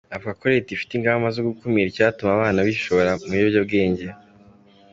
Avuga ko Leta ifite ingamba zo gukumira icyatuma abana bishora mu biyobyabwenge.